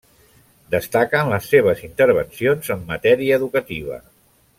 Destaquen les seves intervencions en matèria educativa.